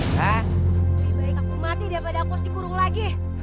lebih baik aku mati daripada aku harus dikurung lagi